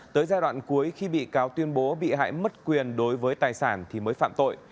tới giai đoạn cuối khi bị cáo tuyên bố bị hại mất quyền đối với tài sản thì mới phạm tội